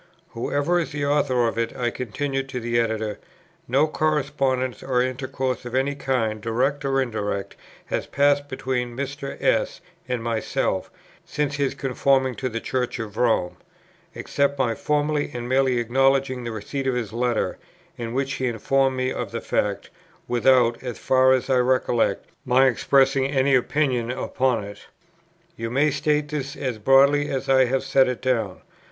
"Whoever is the author of it," I continued to the Editor, "no correspondence or intercourse of any kind, direct or indirect, has passed between Mr. S. and myself, since his conforming to the Church of Rome, except my formally and merely acknowledging the receipt of his letter, in which he informed me of the fact, without, as far as I recollect, my expressing any opinion upon it. You may state this as broadly as I have set it down."